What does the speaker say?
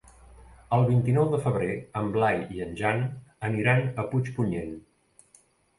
El vint-i-nou de febrer en Blai i en Jan aniran a Puigpunyent.